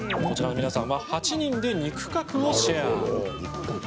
こちらの皆さんは８人で２区画をシェア。